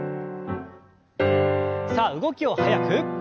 さあ動きを速く。